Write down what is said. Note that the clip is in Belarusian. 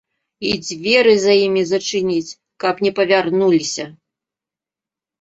І дзверы за імі зачыніць, каб не павярнуліся!